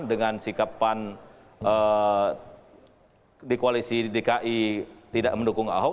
dengan sikap pan dikoalisi di dki tidak mendukung ahok